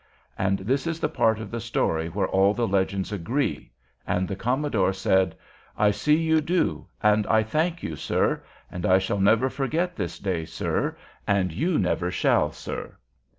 And this is the part of the story where all the legends agree; the commodore said, "I see you do, and I thank you, sir; and I shall never forget this day, sir, and you never shall, sir."